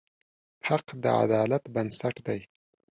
حق د عدالت بنسټ دی.